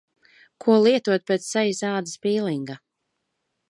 Ko lietot pēc sejas ādas pīlinga?